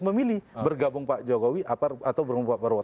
pilih bergabung pak jokowi atau bergabung pak perwo